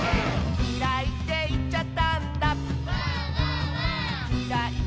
「きらいっていっちゃったんだ」